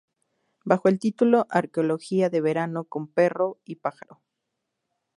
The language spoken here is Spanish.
Bajo el título Arqueología de verano con perro y pájaro.